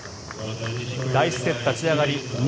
第１セット立ち上がり２